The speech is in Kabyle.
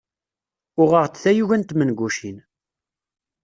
Uɣeɣ-d tayuga n tmengucin.